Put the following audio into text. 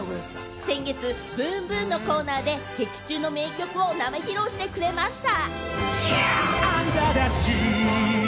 先月、ｂｏｏｍｂｏｏｍのコーナーで劇中の名曲を生披露してくださいました。